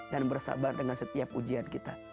dan bersabar dengan setiap ujian kita